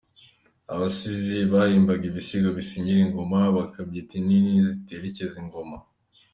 Abasizi : Bahimbaga ibisigo bisingiza ingoma, bakitwa Intiti zitekererza ingoma.